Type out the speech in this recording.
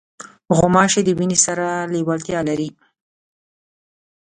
غوماشې د وینې سره لیوالتیا لري.